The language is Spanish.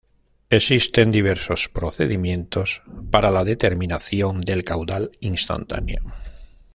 Existen diversos procedimientos para la determinación del caudal instantáneo.